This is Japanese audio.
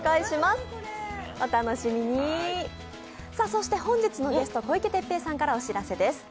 そして本日のゲスト、小池徹平さんからお知らせです。